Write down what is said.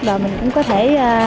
và mình cũng có thể